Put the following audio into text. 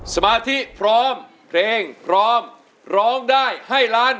สมาธิพร้อมเพลงพร้อมร้องได้ให้ล้าน